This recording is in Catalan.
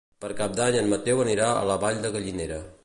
Per Cap d'Any en Mateu anirà a la Vall de Gallinera.